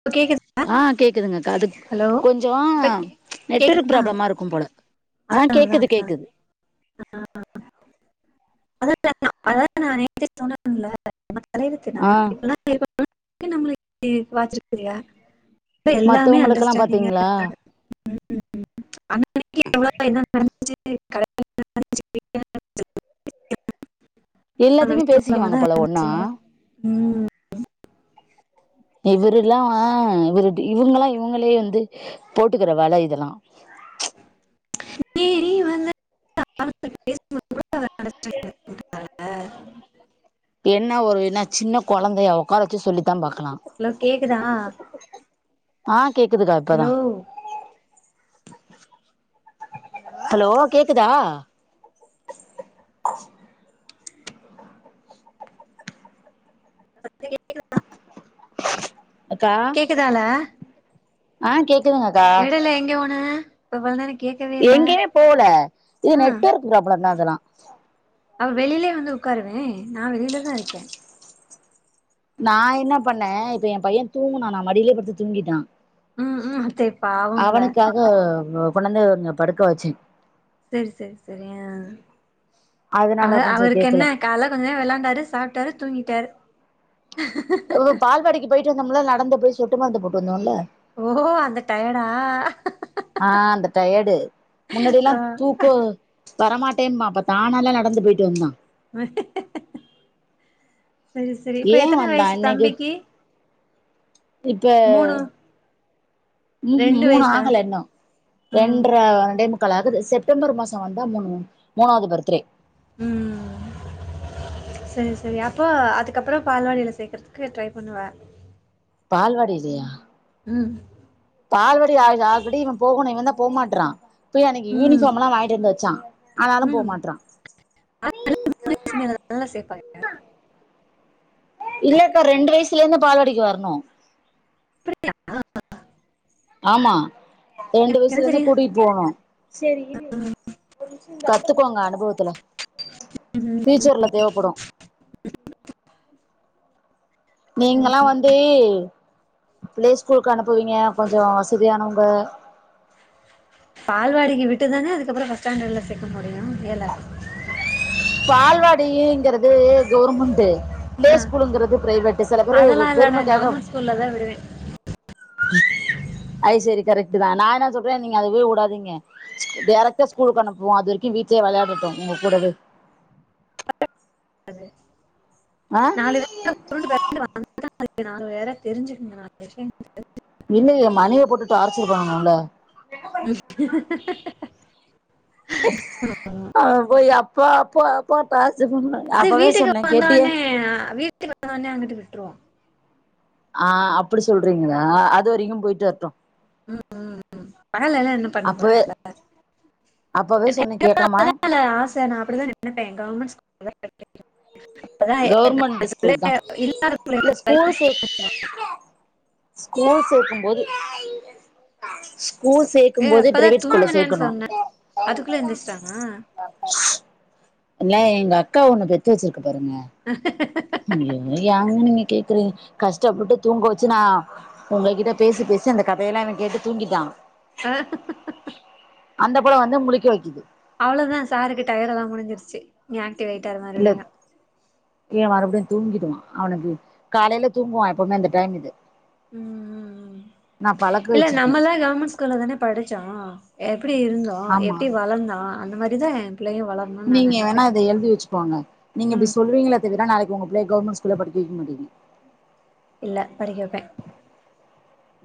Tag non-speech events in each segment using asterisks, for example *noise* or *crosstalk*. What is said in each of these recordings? இப்ப கேக்குது ஆ கேக்குதுங்கக்கா அது கொஞ்சோ இப்ப நெட்வொர்க் கேக்குதா ப்ராப்ளமா இருக்கும்போல ஆ அதா அதா கேக்குது அதா கேக்குது *inaudible* *inaudible* ஆ *inaudible* அப்டே எல்லாமே மத்தவங்களுக்கெல்லா அண்டஸ்டாண்டிங்கா பாத்தீங்களா இருக்காங்க *inaudible* *inaudible* நம்ம எல்லாத்தியுமே வீட்ல பேசிக்குவாங்க உள்ளவங்கதா போல எதுமே ஒன்னா சொல்ல மாட் ம் இவருல்லா இவரு இவங்களா இவங்களே வந்து போட்டுக்கிற வேல இதெல்லா நீ நீ *inaudible* அண்டர்ஸ்டாண்டிங் *unintelligible* இருக்கார்ல என்ன ஒரு இன்னா சின்ன ஹலோ கொழந்தய உக்கார வெச்சு சொல்லித்தா பாக்கலா ஹலோ கேக்குதா ஆ கேக்குதுதா இப்பதா ஹலோ ஹலோ ஓ கேக்குதா இப்ப கேக்குதா அக்கா கேக்குதால ஆ கேக்குதுங்கக்கா டைல எங்க போன இப்ப இவ்வள்நேர கேக்கவே எங்கேயு போல இது நெட்ஒர்க்கு ப்ராப்ளம்தா அதெல்லா அவ வெளிலே வந்து உக்காருவே நா வெளியிலதா இருக்கே நா என்ன பண்ணே இப்ப எ பையன் தூங்குனா நா மடியிலே படுத்து தூங்கிட்டா ம் ம் அத்தை பாவம்ல அவனுக்காக கொண்டொந்து படுக்க வெச்சே செரி செரி செரி ஆ அக அதனால கொஞ்சோ கேக்கல அவருக்கென்ன கால கொஞ்நேரோ விளாண்டாரு சாப்ட்டாரு தூங்கிட்டாரு ஓஹொஓ பால்வடிக்கு போய்ட்டு வந்தோம்ல நடந்து போய் சொட்டு ருந்து போட்டு வந்தோல ஓஹோஓ அந்த டயடா அந்த டயடு முன்னாடியில்லா ஆ தூக்கோ வரமாட்டேம்பா இப்ப தானாலே நடந்து போஅட்டு வந்தா செரி செரி இப்ப ஏ எத்தன வந்தா வயசு இன்னைக்கு தம்பிக்கு இப்ப மூணு ம் ம் ரெண்டு மூணு வயசா ஆகல இன்னு ம் ரெண்ட்டற ரெண்டே மு க்காலாகுது செப்டம்பர் மாசோ வந்தா மூணு மூணாவது பர்த்ரே ம் சரி சரி அப்போ அதுக்கப்பறோ பால்வாடில சேக்கறதுக்கு ட்ரை பண்ணுவ பால்வாடிலயா ம் பால்வடி ஆ ஆல்ரெடி இவே போகணு இவந்தா போ மாட்றா போய் அன்னக்கி ம் யூனிஃபார்ம்லா வாங்கிட்டுவந்து வெச்ச ஆனாலு போ மாட்றா *inaudible* மூணு வயசு மேல தான சேப்பாங்க இல்லக்கா ரெண்டு வயசுல இருந்து பால்வாடிக்கு வரணு அப்டியா ஆமா ரெண்டு வயசுல இருந்து சரி கூட்டிட்டு போனு கத்துக்கோங்க அனுபவத்துல பியூச்சர்ல தேவப்படு நீங்கல்லா வந்து பிளே ஸ்கூலுக்கு அனுப்புவீங்க கொஞ்சோ வசதியானவங்க பால்வாடிக்கு விட்டு தான அதுக்கப்பறோ ஃபர்ஸ்ட் ஸ்டாண்டர்ட்ல சேக்க முடியு ஏலா பால்வாடிங்கிறது கவுர்மெண்ட் பிளே ஆ ஸ்கூளுுங்கிறது பிரைவேட் சில பேரு அதெல்லா இல்ல நா பெருமைக்காக கவர்மெண்ட் ஸ்கூல்ல தா விடுவே அது செரி கரெக்ட் தா நா என்ன சொல்றே நீங்க அதுவே உடாதீங்க டேரெக்ட்டா ஸ்கூல்க்கு அனுப்புவோ அது வரைக்கு வீட்லயே விளையாடட்டு உங்க கூடவே ஆ நாலு பேரு கூட உருண்டு பெர ண்டு வந்தா அதுங்க நாலு பேற தெரிஞ்சுக்குங்க நாலு விஷயங்க இல்லயே மணிய போட்டு டார்ச்சர் பண்ணனுல்ல உம் *inaudible* அவே போய் அப்பா அப்பா அப்பா டார்ச்சர் பண்ணனு அது அப்பவே வீட்டுக்கு சொன்னே கேட்டியே வந்தோனே நீ வீட்டுக்கு வந்த ஒன்னே அங்கிட்டு விட்ருவோ ஆ அப்டி சொல்றீங்களா அது வரைக்கு போயிட்டு வரட்டு பகலல்லா என்ன பண்ண அப்பவே போறாங்க அப்பவே சொன்னே கேக்காம *inaudible* இல்ல இல்ல ஆஸ் சே நா அப்டிதா நின்னுட்டே கவர்மெண்ட் ஸ்கூல்ல இப்பதா *inaudible* கவர்மெண்ட் இல்லாத ஸ்கூல் தா புள்ளைய இல்ல போய் ஸ்கூல் சேக்கும்போது ஸ்கூல் ஏ சேக்கும் போதே இப்பதா பிரைவேட் ஸ்கூல்ல தூங்குனேன்னு சேக்கணு சொன்னே அதுக்குள்ள எந்திச்சிட்டானா *inaudible* இல்ல எங்க அக்கா ஒண்ணு பெத்து வச்சிருக்கு பாருங்க ஹ *inaudible* அய்யோ ஏங்க நீங்க கேக்குறீங்க கஷ்டப்பட்டு தூங்க வச்சு நா உங்ககிட்ட பேசி பேசி அந்த கதையெல்லா இவே கேட்டு தூங்கிட்டா ஆ அந்த புள்ள வந்து முழிக்க வைக்கிது அவ்ளோதா சாருக்கு டயடெல்லா முடிஞ்சுருச்சி இனி ஆக்டிவ் ஆயிட்டாரு மறுபடியு இவே மறுபடியு தூங்கிடுவா அவனுக்கு காலேல தூங்குவா எப்பவுமே அந்த டைம் இது ம் ம் ம் நா பழக்க இல்ல வச்சிருக்கே நம்மல்லா கவர்மெண்ட் ஸ்கூல்ல தான படிச்சோ எப்டி இருந்தோ ஆமா எப்டி வளந்தோ அந்த மாரிதா ஏ பிள்ளையு வளர் நீங்க வேணா அத எழுதி வச்சுக்கோங்க நீங்க இப்டி ம் சொல்வீங்களே தவிர நாளைக்கு உங்க புள்ளய கவர்மெண்ட் ஸ்கூல்ல படிக்க வெக்க மாட்டிங்க இல்ல படிக்க வப்பே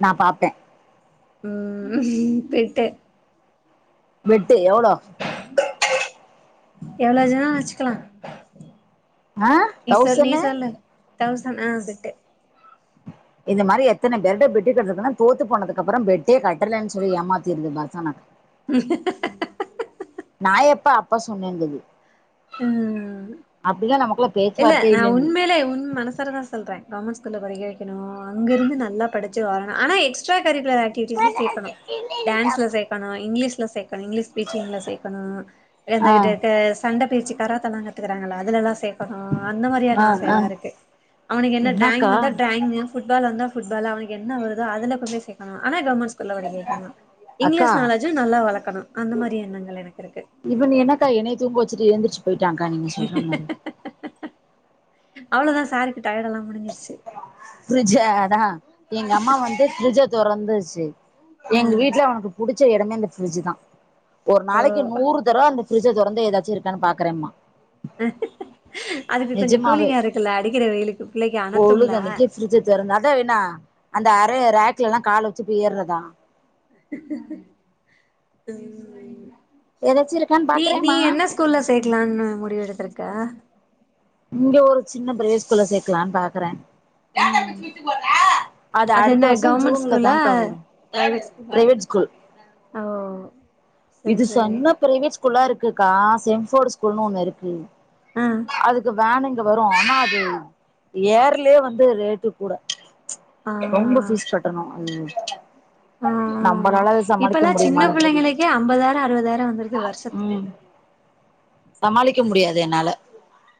நா பாப்பே ம் பெட்டு பெட்டு எவளோ எவளோ *unintelligible* வச்சுக்கலா ஆ நீ சொல் நீ தௌசண்னு சொல்லு தௌசண் ஆ பெட்டு இந்த மாறி எத்தன பேர்ட்ட பெட் கட்டரதுனா தோத்து போனதுக்கு அப்பறோ பெட்டே கட்டலன்னு சொல்லி ஏமாத்திருது *unintelligible* *inaudible* நா எப்ப அப்ப சொன்னேங்குது. ம் அப்டியே நமக்குள்ள இல்ல பேச்சுவார்த்தையே நா இல்லங்குது உண்மேலியே உண் மனசார தா சொன் சொல்றே கவர்மெண்ட் ஸ்கூல்ல படிக்க வைக்கணு அங்கிருந்து நல்லா படிச்சு வரணு ஆன எக்ஸ்ட்ரா கரிகுலர் ஆக்ட் டிவிடில சேக்கணு டான்ஸ்ல சேக் இப்ப நா இங்கிலீஷ்ல சேக்கணு இங்கிலீஷ் ஸ்பீச்சிங்ல சேக்கணு ஆ *unintelligible* சண்டைபயிற்சி கராத்தல்லா கத்துக்கறாங்கள அதலல்லா சேக் ஆ அந்த ஆ மாறியான ஆ ஆசையல்லா இருக்கு அவனுக்கு என்ன டிராயிங் என்னக்கா வந்தா டிராயிங்கு புட்பால் வந்தா புட்பாலு அவனுக்கு என்ன வருதோ அதுல கொண்டு போய் சேக்கனு ஆனா கவர்மெண்ட் ஸ்கூல்ல படிக்க வைக்கணு அக்கா இங்கிலீஷ் நாலேஜும் நல்லா வளக்கணு அந்த மாரி எண்ணங்கள் எனக்கு இருக்கு இவன் என்னக்கா என்னைய தூங்க வச்சிட்டு எந்திரிச்சு போயிட்டாக்கா நீங்க சொல்ற மாரி அவ்ளோதா சாருக்கு டயடெல்லா முடிஞ்சிருச்சு பிரிட்ஜ் அதா எங்க அம்மா வந்து பிரிட்ஜ தொறந்துருச்சு அ எங்க வீட்டுல அவனுக் புடிச்ச இடமே இந்த பிரிட்ஜ் தா ஒரு ஓ நாளைக்கு நூறு தரோ அந்த பிரிட்ஜை தொறந்து ஏதாச்சி இருக்கான்னு பாக்றேம்பா அதுக்கு கொஞ்சோ நிஜமாவே கூலிங்கா இருக்குல்ல அடிக்கிற வெயிலுக்கு பிள்ளைக்கு அனத்தும்ல பிரிட்ஜ திறந்து அதா என்னா அந்த அறைய ரேக்ளல்லா கால வச்சு போய் ஏர்றதா ஏதாச்சு இருக்கான்னு நீ நீ பாக்குறேம்மா என்ன ஸ் ஸ்கூல்ல சேக்கலானு முடிவு எடுத்திருக்க இங்க ஒரு சின்ன ப்ளே ஸ்கூல்ல சேர்க்கலான்னு பாக்கறே ம் அது அடுத்த அதென்ன வருஷோ கவர்மெண்ட் ஜூன்ல ஸ்கூலா தான்க்கா வரு பிரைவேட் ஸ்கூலா பிரைவேட் ஸ்கூல் ஓ செரி இது செரி சொந்த பிரைவேட் ஸ்கூல்லா இருக்குக்கா சென்ட்ஃபோர்டு ஸ்கூல்ன்னு ஒண்ணு இருக்கு ஆ அதுக்கு வேனு இங்க வரு ஆனா அது ஏர்லயே வந்து ரேட்டு கூட ஆ ரொம்ப பீஸ் கட்டணு ம் ம் ம் ம் இப்பெல்லா சின்ன முடியுமானு தெரில பிள்ளைங்களுக்கே ஐம்பதாயிரோ அறுபதாயிரோ வந்துருது வருஷ ம் சமாளிக்க முடியாது என்னால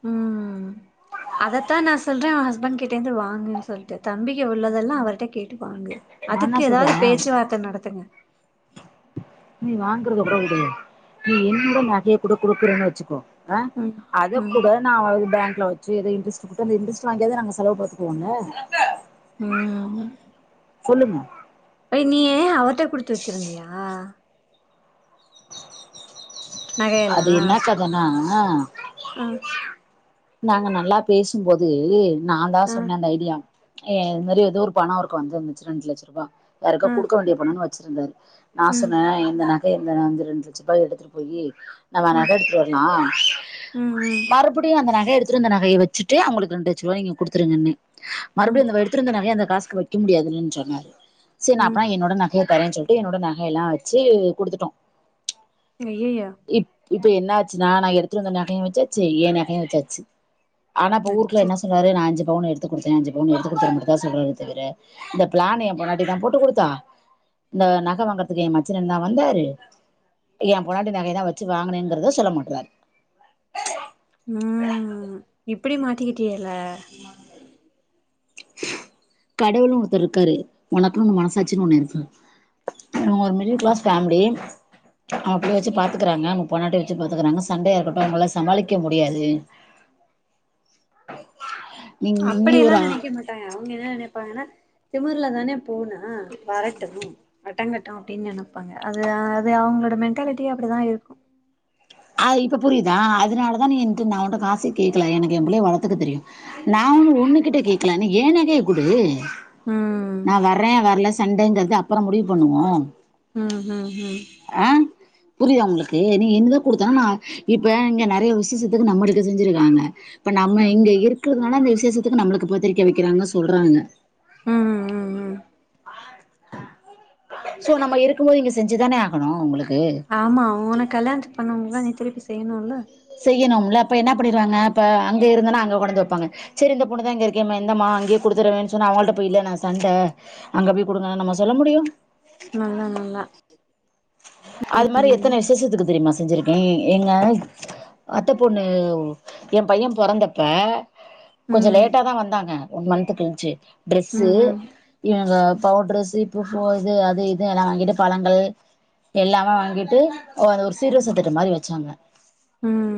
ம் அதத்தா நா சொல்றே ஹஸ்பண்ட் கிட்டே இருந்து வாங்குன்னு சொல்லிட்டு தம்பி உள்ளதெல்லா அவர்கிட்ட கே ட்டு வாங்கு நா என்ன அதுக்கு ஏதாவது சொல்றே பேச்சுவார்த்த நடத்துங்க நீ வாங்கறது கூட விடயு நீ என்னோட நகைய கூட கொடுக்குறேன்னு வச்சுக்கோ ஆ ம் அத ம் கூட நா அது பேங்க்ல வச்சு ஏதோ இன்ட்ரெஸ்ட் குடுத் அந்த இன்ட்ரெஸ்ட் வாங்கியே நாங்க செலவுப்படுத்துவாங்க ம் ம் சொல்லுங்க அய் நீ ஏ அவர்ட குடுத்து வச்சிருந்தியா நகையெல்லா அது என்ன கதனா ஆ நாங்க நல்லா பேசும்போது நா தா ஆ சொன்னல அந்த ஐடியா ஏ இந்த மாறி ஏதோ ஒரு பண இருக்கு அஞ்சு லட்ச ரெண்டு லட்ச ரூபா யாருக்கோ ஆ குடுக்க வேண்டிய பணன்னு வச்சிருந்தாரு நா ம் சொன்ன எ இந்த நகை இந்தஞ்ச ரெண்டு லட்ச ரூபாய் எடுத்துட்டு போய் அந்த நக ம் எடுத்துட்டு ஆ ம் ம் மறுபடியு அந்த நகை எடுத்துட்டு வந்த நகையை வச்சிட்டு அவங்களுக்கு ரெண்டு லட்ச ரூபாய நீங்க குடுத்துருங்கன்னு மறுபடியு ம் அந்த எடுத்துட்டு வந்த நகைய அந்த காசுக்கு வைக்க முடியாதுன்னு சொன்னாரு சரி நா ம் அப்பனா என்னோட நகைய தர சொ என்னோட நகையெல்லா வச்சு கொடுத்துட்டோ அய்யய்யோ இ இப்ப என்ன ஆச்சு நா நா எடுத்துட்டு வந்த நகையு வச்சாச்சு எய நககையு வச்சாச்சு ஆனா இப்ப ஊருகுள்ள அச்சோ என்ன சொல்றரு நா அஞ்சு‌ பவுனு எடுத்து குடுத்த அஞ்சு பவுனு எடுத்து கொடுத்தத்துன் மட்டுதா சொல்றாரு தவிர இந்த பிளான எய பொன்னாட்டி தா போட்டு கொடுத்தா இந்த நக வாங்குறதுக்கு எய மச்சன தா வந்தாரு எய பொன்னாடி நக தா வச் சி வாங்கினேங்கரத சொல்ல மாற்றாரு ம் இப்டி மாட்டிக்கிட்டியல்ல கடவுள்ன்னு ஒருத்தர் இருக்காரு உனக்குன்னு மனசாச்சின்னு ஒண்ணு இருக் ஒரு மிடில் கிளாஸ் ஃபமிலி அவ அப்டி வச்சு பாத்துக்கறாங்கங்க பொனாட்டி வச்சு பாத்துக்கறாங்க சண்டயா இருக்கட்டும் அவங்கள சமாளிக்க முடியாது நீங்க அப்படியெல்லா *unintelligible* நெனைக்க அவங்க என்ன நினைப்பாங்கன்னா திமர்ல தான பூனா வரட்டும் அடங்கட் அப்டின்னு நினைப்பாங்க அது அது அவங்களோட மென்ண்டாலிட்டி அப்டிதா இருக்கும் அ இப்ப புரியுதா அதனால தா நீ எனட்டு நா உ்கிட்ட காசே கேட்கல எனக்கு எய பிள்ளய வளத்துக்க தெரியு நா ஒண்ணு ஒண்ணு கிட்ட கேட்கல நீ எய நகய கொடு ம் நா வர்ற வரல சண்டங்கிறது அப்பற முடிவு பண்ணுவோ ம் ம் ம் ஆ புரியுதா உங்களுக்கு நீ எங்க கொடுத்தா நா இப்ப இங்க நெறைய விசேஷத்துக்கு நம்மளுக்கு செஞ்சிருக்காங்க இ நம்ம ம் இங்க இரு இருக்கிறதுனால விசேசத்துக்கு நம்மளுக்கு பத்திரிக்க வைக்குறாங்க சொல்றாங்க ம் ம் ம் சோ நம்ம இருக்கும் போது இங்க செஞ்சுதானே ஆகணு உங்களுக்கு ஆமா உனக்கு கல்யாணத்து பண்ணவங்களுக்கு எல்லா நீ திருப்பி செய்யணும்ல செய்யணும்ல அப்ப என்ன பண்ணிருவாங்க அப்ப அங்க இருந்தனா அங்க கொடந்து வைப்பாங்க சரி இந்த பொண்ணு தா இங்க இருக்கே சரி இந்தம்மா அங்கேயே கொடுத்துருறவன்னு சொன்னா அவங்கள் கிட்ட போய் இல்ல நா சண்ட அங்க பொய்குடுங்கன்னா நம்ம சொல்ல முடியு நல்லா நல்லா அது மாதிரி எத்தன விசேஷத்துக்கு தெரிமா செஞ்சிருக்க எங்க அத்த பொண்ணு எய பைய பொறந்தப்ப கொஞ்சோ ம் லேட்டா தா வந்தாங்க ஒன் மன்த் கழ்ச்சு ட்ரெஸ்ஸு ம் ம் இவுங்க பவுட்ரு சீப்பு ஃபோ இது அது இது எல்லா வாங்கிட்டு பழங்கள் எல்லாமே வாங்கிட்டு ஒரு ஒரு சீர்வர்ச தட்டு மாரி வச்சாங்க ம்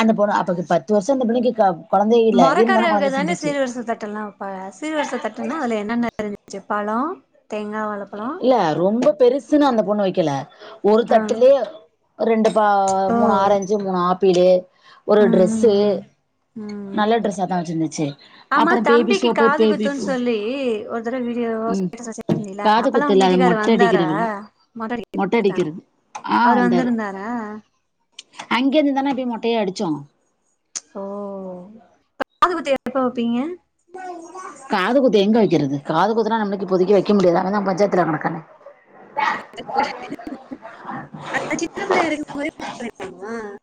அந்த பொண்ணு அப்பக்கு பத்து வர்ஷோ அந்த பிள்ளக்கு க கொழந்தையே இல்ல இருந்தாலும் மரக்கரவுக கொழந்த தான செஞ்சுச்சு சீர்வர்ச தட்டெல்லா பாக சீர்வரிச தட்டுனா அதுல என்னென்ன இருந்துச்சு பழோ தேங்கா வாழ பழோ இல்ல ரொம்ப பெருசுன்னு அந்த பொண்ணு வெக்கல ஒரு ஆ தட்டுலு ரெண்டு பா மூணு ஓ ஆரஞ்சு மூணு ஆப்பிளு ஒரு ம் ட்ரெஸ்ஸு ம் ம் ம் நல்ல ட்ரெஸாதா வெச்சுருந்துச்சு ஆமா அப்றோ பேபி சோப்பு பேபி எத்தன வீடியோவா ம் *unintelligible* தெரில காது அப்பலா குத்து உங் இல்ல அது வீட்டுக்கரு மொட்டை வந்தார அடிக்கிறதுல மொட்ட மொட்டை அடிக்கறதுக்குதா அடிக்கிறது ஆ அவரு வந்தாரு வந்திருந்தாரா அங்க இருந்துதான அப்டியே மொட்டையே அடிச்சோ ஓ காதுகுத்து எப்பா வெப்பீங்க காது குத்து எங்க வெக்கறது காது குத்தலா நம்ளுக்கு இப்போதைக்கி வைக்க முடியாது அனதா பஞ்சாயத்துல கணக்கான *unintelligible* சின்ன பிள்ளயாருக்கு போதே *unintelligible*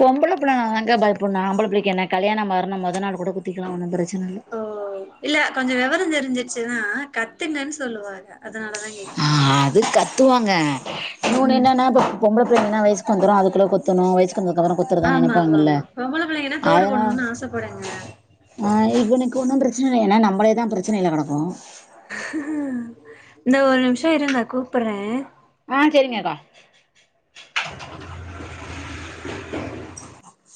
பொம்பள புள்ளனாதாங்க பயப்புட்ணு ஆம்பள புள்ளைக்கு என்ன கல்யாண மறுணா மொத நாள் கூட குத்திக்கலா ஒன்னு ப்ரச்சன இல்ல ஓ இல்ல கொஞ்சோ வெவரோ தெரிஞ்சிச்சுன்னா கத்துங்கன் சொல்லுவாங்க அதுனாலதாங்க ஆ அதுக்கத்துவாங்க இன்னொன்னு ம் என்னன்னா இப்ப பொம்பள புள்ளைங்கனா வய்சுக்கு வந்துரு அதுக்குள்ள குத்தனு வய்சு வந்ததுக்கப்றோ குத்தரதா ஆமா ஆமா நெனப்பாங்கள்ல ஆமா பொம்பள பிள்ளைங்கன்னா தோடு அதனா போடணுன்னு ஆசப்படுங்க ஆ இவுனுக்கு ஒன்னு ப்ரச்சன இல்ல எனா நம்ளேதா ப்ரச்சனைல கடக்கறோ இந்த ஒரு நிம்ஷோ இருங்க கூப்பற்றே ஆ செரிங்கக்கா